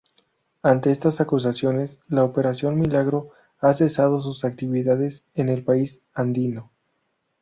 Ante estas acusaciones, la Operación Milagro ha cesado sus actividades en el país andino.